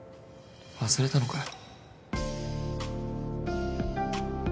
忘れたのかよ。